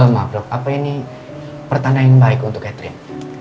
mabrok apa ini pertanda yang baik untuk catherine